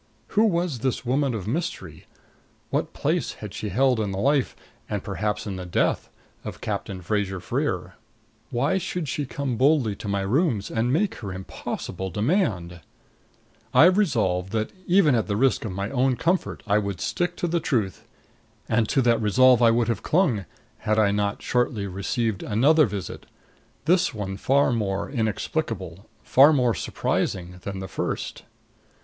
Who was this woman of mystery? What place had she held in the life and perhaps in the death of Captain Fraser Freer? Why should she come boldly to my rooms to make her impossible demand? I resolved that, even at the risk of my own comfort, I would stick to the truth. And to that resolve I would have clung had I not shortly received another visit this one far more inexplicable, far more surprising, than the first.